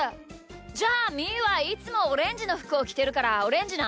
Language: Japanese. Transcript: じゃあみーはいつもオレンジのふくをきてるからオレンジな。